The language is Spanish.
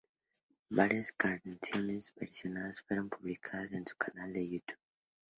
Varias canciones versionadas fueron publicadas en su canal de YouTube.